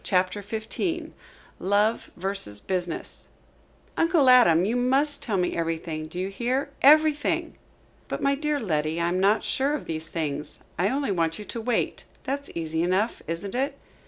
CHAPTER XV LOVE VERSUS BUSINESS "Uncle Adam, you must tell me everything. Do you hear? everything!" "But my dear Letty, I am not sure of these things. I only want you to wait. That's easy enough, isn't it?"